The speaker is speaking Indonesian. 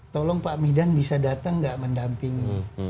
tolong pak midan bisa datang nggak mendampingi